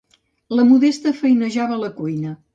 La Modesta feinejava a la cuina.